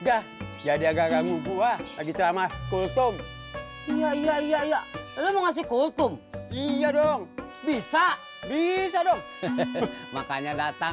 dah jadi agak agak mumpua lagi sama kosong iya iya iya iya dong bisa bisa dong makanya datang